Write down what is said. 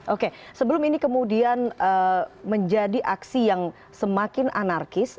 oke sebelum ini kemudian menjadi aksi yang semakin anarkis